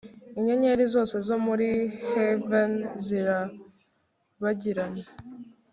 inyenyeri zose zo muri heav'n zirabagirana